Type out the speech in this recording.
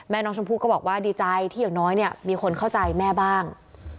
น้องชมพู่ก็บอกว่าดีใจที่อย่างน้อยเนี่ยมีคนเข้าใจแม่บ้าง